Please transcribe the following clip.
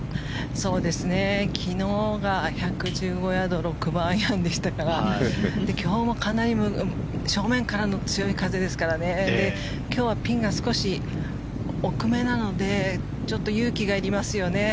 昨日が１１５ヤード６番アイアンでしたから今日もかなり正面からの強い風ですからね今日はピンが少し奥めなのでちょっと勇気がいりますよね。